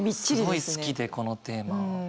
すごい好きでこのテーマ。